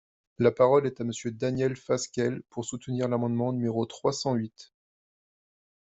La parole est à Monsieur Daniel Fasquelle, pour soutenir l’amendement numéro trois cent huit.